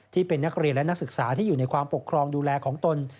ที่เป็นนักเรียนและนักศึกษาที่อยู่ในความปกครองดูแลของตน